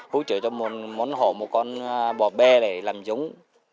hỗ trợ cho một món hổ một con bò bê để làm giống